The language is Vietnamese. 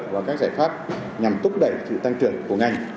và các giải pháp nhằm thúc đẩy sự tăng trưởng của ngành